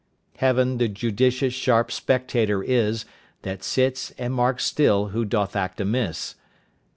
Heaven the judicious sharp spectator is, That sits and marks still who doth act amiss.